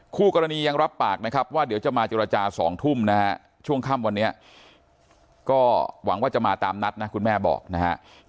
คู่กรณียังรับปากนะครับว่าเดี๋ยวจะมาเจรจา๒ทุ่มนะฮะช่วงค่ำวันนี้ก็หวังว่าจะมาตามนัดนะคุณแม่บอกนะครับ